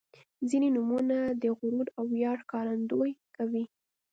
• ځینې نومونه د غرور او ویاړ ښکارندويي کوي.